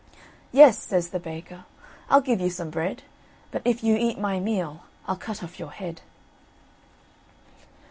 "Yes," says the baker, "I'll give you some bread, But if you eat my meal, I'll cut off your head."